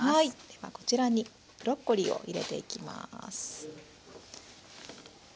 ではこちらにブロッコリーを入れていきます。